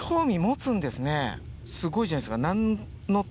すごいじゃないですか。